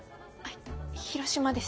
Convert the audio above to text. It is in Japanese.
広島です。